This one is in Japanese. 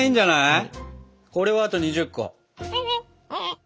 これをあと２０個。